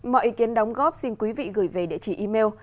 mọi ý kiến đóng góp xin quý vị gửi về địa chỉ email